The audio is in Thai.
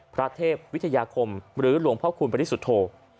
พระเทพย์วิทยาคมหรือหลวงพระคุณบริสุทธิ์โทษ